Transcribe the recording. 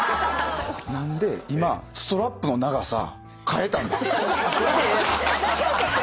なんで今ストラップの長さ変えたんです。